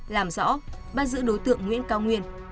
làm rõ bắt giữ đối tượng nguyễn cao nguyên